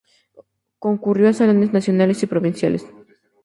Concurrió a salones nacionales y provinciales.